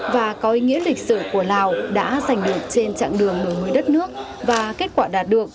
và có ý nghĩa lịch sử của lào đã giành được trên chặng đường đổi mới đất nước và kết quả đạt được